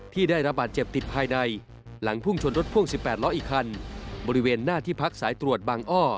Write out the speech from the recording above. ที่ได้รับบาดเจ็บติดภายในหลังพุ่งชนรถพ่วง๑๘ล้ออีกคันบริเวณหน้าที่พักสายตรวจบางอ้อ